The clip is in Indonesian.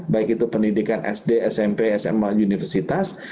baik itu pendidikan sd smp sma universitas